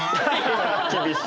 厳しい。